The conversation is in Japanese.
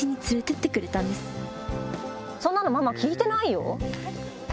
そんなのママ聞いてないよ。